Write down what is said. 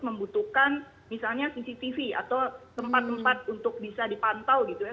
membutuhkan misalnya cctv atau tempat tempat untuk bisa dipantau gitu ya